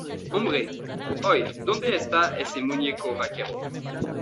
¡ Hombre! ¿ oye, dónde esta ese muñeco vaquero?